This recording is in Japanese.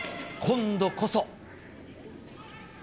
今度こそ。